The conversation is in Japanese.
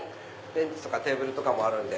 ベンツとかテーブルとかもあるんで。